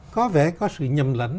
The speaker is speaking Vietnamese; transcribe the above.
có vẻ có sự nhầm lẫn